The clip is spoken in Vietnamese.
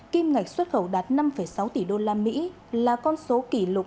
kim ngạch xuất khẩu đạt năm sáu tỷ usd là con số kỷ lục